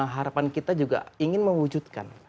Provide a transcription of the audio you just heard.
harapan kita juga ingin mewujudkan